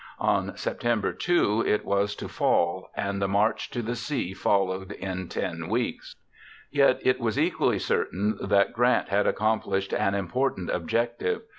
On September 2 it was to fall, and the march to the sea followed in 10 weeks. Yet it was equally certain that Grant had accomplished an important objective.